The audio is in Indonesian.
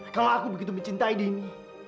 kalau aku begitu mencintai dini